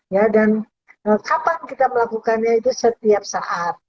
ya dan kapan kita melakukannya itu setiap saat